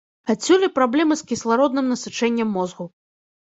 Адсюль і праблемы з кіслародным насычэннем мозгу.